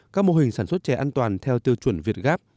các mô hình sản xuất chè an toàn theo tiêu chuẩn việt gáp